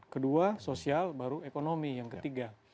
kedua sosial baru ekonomi yang ketiga